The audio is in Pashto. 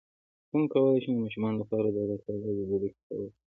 څنګه کولی شم د ماشومانو لپاره د الله تعالی لیدلو کیسه وکړم